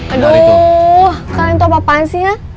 aduh kalian tau apa apaan sih ya